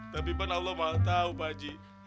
tapi pak allah mau tahu pak haji